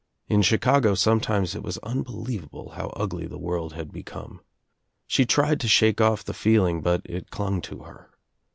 In Chicago sometimes it was unbelievable how ugly the world had become. She tried to shake oS the feeling but it clung to her.